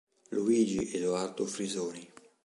Luigi Edoardo Frisoni